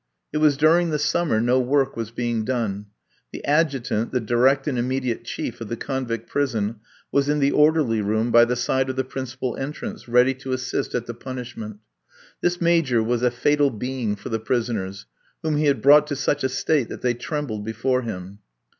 It was during the summer, no work was being done. The Adjutant, the direct and immediate chief of the convict prison, was in the orderly room, by the side of the principal entrance, ready to assist at the punishment. This Major was a fatal being for the prisoners, whom he had brought to such a state that they trembled before him.